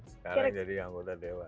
sekarang jadi anggota dewan